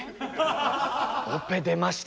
オペ出ました